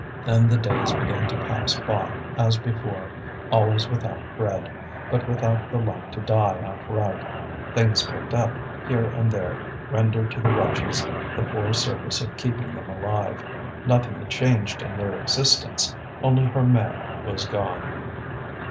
Then the days began to pass by as before, always without bread, but without the luck to die outright; things picked up here and there rendered to the wretches the poor service of keeping them alive. Nothing had changed in their existence, only her man was gone.